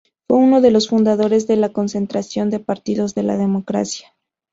Fue uno de los fundadores de la Concertación de Partidos por la Democracia.